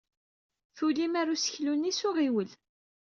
Tulim ar useklu-nni s uɣiwel.